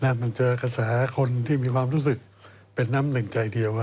มันเจอกระแสคนที่มีความรู้สึกเป็นน้ำหนึ่งใจเดียว